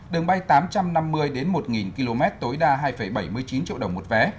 đường bay tám trăm năm mươi một km tối đa hai bảy mươi chín triệu đồng một vé